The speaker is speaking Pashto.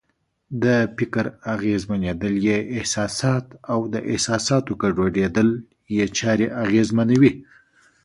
د فکر اغېزمنېدل یې احساسات او د احساساتو ګډوډېدل یې چارې اغېزمنوي.